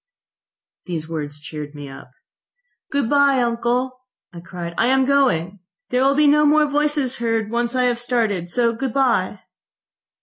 .... These words cheered me up. "Good bye, uncle." I cried. "I am going. There will be no more voices heard when once I have started. So good bye!"